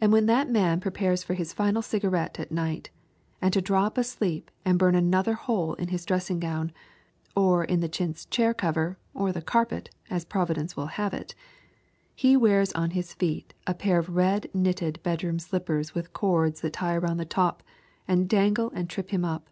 And when that man prepares for his final cigarette at night and to drop asleep and burn another hole in his dressing gown, or in the chintz chair cover, or the carpet, as Providence may will it he wears on his feet a pair of red knitted bedroom slippers with cords that tie around the top and dangle and trip him up.